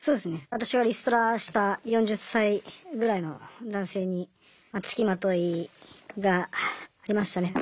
私はリストラした４０歳ぐらいの男性につきまといがありましたね。